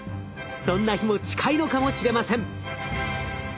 そんな日も近いのかもしれません。